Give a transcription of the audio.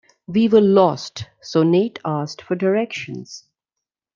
We were lost, so Nate asked for directions.